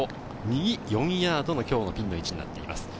右４ヤードの今日のピンの位置になっています。